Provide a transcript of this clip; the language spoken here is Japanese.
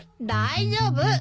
大丈夫。